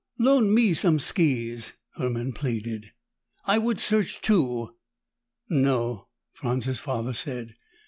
"Loan me some skis!" Hermann pleaded. "I would search, too!" "No," Franz's father said.